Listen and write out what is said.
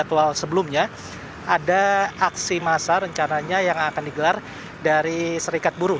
jadwal sebelumnya ada aksi massa rencananya yang akan digelar dari serikat buruh